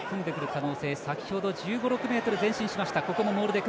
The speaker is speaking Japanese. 先ほど１５１６ｍ前進しました。